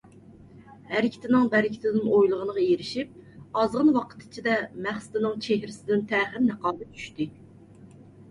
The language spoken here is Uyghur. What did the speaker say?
ھەرىكىتىنىڭ بەرىكىتىدىن ئويلىغىنىغا ئېرىشىپ، ئازغىنا ۋاقىت ئىچىدە، مەقسىتىنىڭ چېھرىسىدىن تەخىر نىقابى چۈشتى.